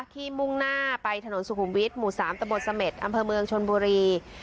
มุ่งหน้าไปถนนสุขุมวิทย์หมู่๓ตะบดเสม็ดอำเภอเมืองชนบุรี